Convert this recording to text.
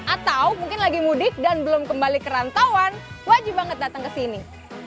atau mungkin lagi mudik dan belum kembali kerantauan wajib banget datang kesini